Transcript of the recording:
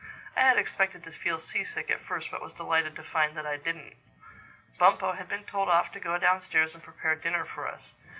(I had expected to feel seasick at first but was delighted to find that I didn't.) Bumpo had been told off to go downstairs and prepare dinner for us.